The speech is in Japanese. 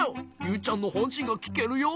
ユウちゃんのほんしんがきけるよ？